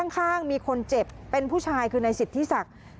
ข้างมีคนเจ็บเป็นผู้ชายคือในสิทธิศักดิ์